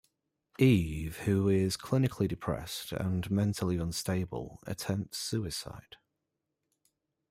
Eve, who is clinically depressed and mentally unstable, attempts suicide.